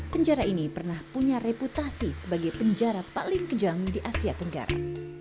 penjara ini pernah punya reputasi sebagai penjara paling kejam di asia tenggara